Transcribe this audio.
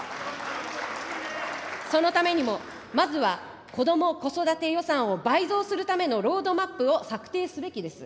そのためにも、まずはこども・子育て予算を倍増するためのロードマップを策定すべきです。